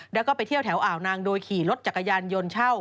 แล้วก็ไปเที่ยวแถวอ่าวนางโดยขี่รถจักรยานยนต์เช่า